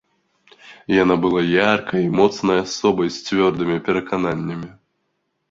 Яна была яркай і моцнай асобай з цвёрдымі перакананнямі.